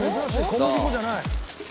小麦粉じゃない。